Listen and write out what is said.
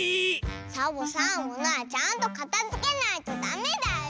サボさんものはちゃんとかたづけないとダメだよ。